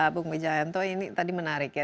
bung wijayanto ini tadi menarik ya